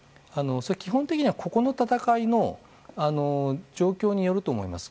基本的にはここの戦いの状況によると思います。